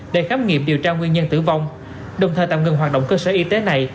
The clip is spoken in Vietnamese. để khám nghiệm điều tra nguyên nhân tử vong đồng thời tạm ngừng hoạt động cơ sở y tế này